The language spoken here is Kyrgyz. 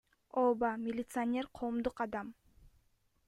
Ооба, милиционер — коомдук адам.